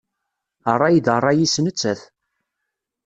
Ṛṛay d ṛṛay-is nettat.